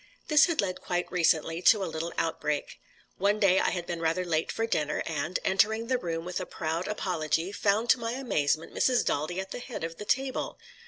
This had led quite recently to a little outbreak. One day I had been rather late for dinner, and, entering the room with a proud apology, found to my amazement Mrs. Daldy at the head of the table.